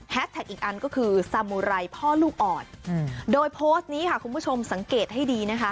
อีกอันก็คือสามุไรพ่อลูกอ่อนโดยโพสต์นี้ค่ะคุณผู้ชมสังเกตให้ดีนะคะ